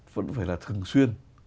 vẫn phải là thường xuyên